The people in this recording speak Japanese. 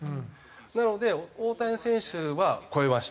なので大谷選手は越えました。